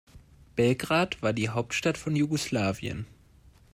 Belgrad war die Hauptstadt von Jugoslawien.